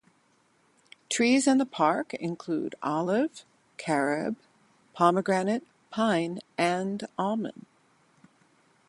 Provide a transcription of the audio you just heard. Trees in the park include olive, carob, pomegranate, pine and almond.